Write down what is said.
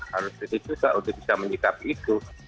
harus kritik juga untuk bisa menyikapi itu